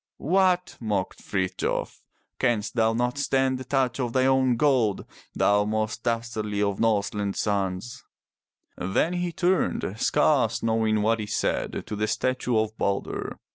"What!" mocked Frithjof. "Canst thou not stand the touch of thine own gold, thou most dastardly of Norseland's sons?" Then he turned, scarce knowing what he said, to the statue of Balder.